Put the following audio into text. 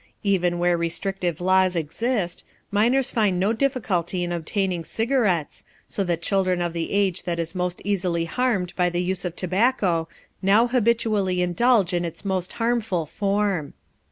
Even where restrictive laws exist, minors find no difficulty in obtaining cigarettes, so that children of the age that is most easily harmed by the use of tobacco now habitually indulge in its most harmful form.